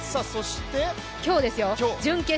今日です。